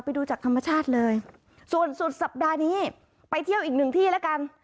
ไปดูจากธรรมชาติเลยส่วนสุดสัปดาห์นี้ไปเที่ยวอีกหนึ่งที่แล้วกัน